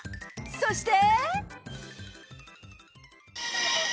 そして。